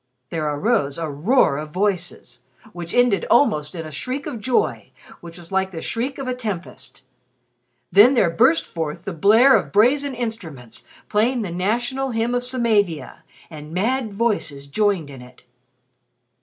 There arose a roar of voices, which ended almost in a shriek of joy which was like the shriek of a tempest. Then there burst forth the blare of brazen instruments playing the National Hymn of Samavia, and mad voices joined in it.